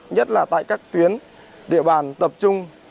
nhất là tại các tuyến địa bàn tập trung